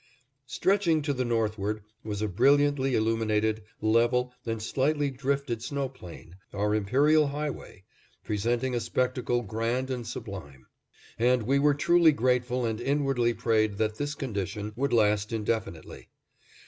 Stretching to the northward was a brilliantly illuminated, level, and slightly drifted snow plain, our imperial highway, presenting a spectacle grand and sublime; and we were truly grateful and inwardly prayed that this condition would last indefinitely.